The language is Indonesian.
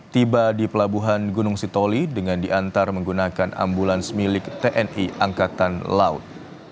tiba di pelabuhan gunung sitoli dengan diantar menggunakan ambulans milik tni angkatan laut